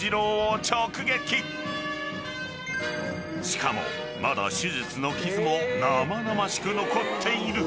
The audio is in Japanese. ［しかもまだ手術の傷も生々しく残っている］